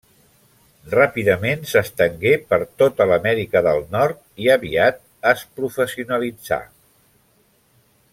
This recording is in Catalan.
Ràpidament s'estengué per tota l'Amèrica del Nord i aviat es professionalitzà.